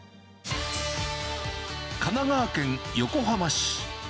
神奈川県横浜市。